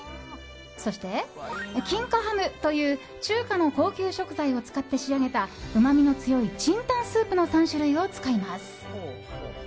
そして、金華ハムという中華の高級食材を使って仕上げたうまみの強い清湯スープの３種類を使います。